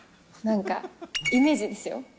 なんか、イメージですよ。